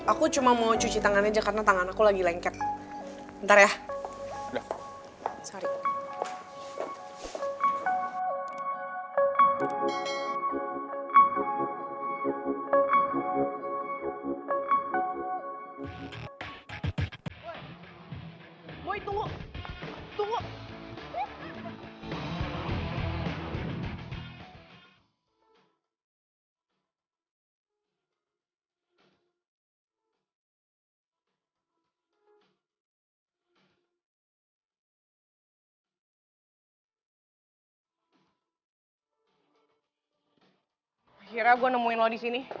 aku cuma mau cuci tangan aja karena tangan aku lagi lengket